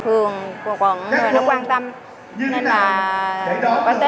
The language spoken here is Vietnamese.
thường của mọi người nó quan tâm nên là quán tết